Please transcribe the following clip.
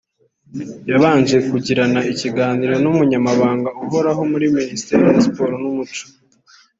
yabanje kugirana ikiganiro n’umunyamabanga uhoraho muri Ministeri ya Siporo n’umuco